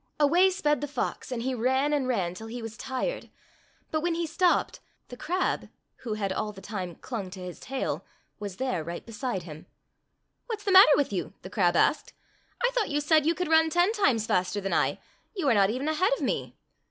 Away sped the fox, and he ran and ran 208 Fairy Tale Foxes till he was tired. But when he stopped, the crab, who had all the time clung to his tail, was there right beside him. "What's the matter with you?" the crab asked. "I thought you said you could run ten times faster than I. You are not even ahead of me."